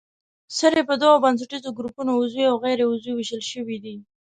سرې په دوو بنسټیزو ګروپونو عضوي او غیر عضوي ویشل شوې دي.